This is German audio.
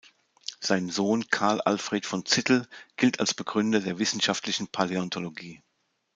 Sein Sohn Karl Alfred von Zittel gilt als Begründer der wissenschaftlichen Paläontologie.